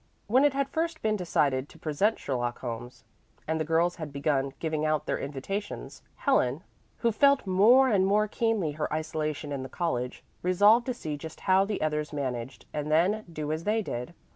When it had first been decided to present "Sherlock Holmes" and the girls had begun giving out their invitations, Helen, who felt more and more keenly her isolation in the college, resolved to see just how the others managed and then do as they did.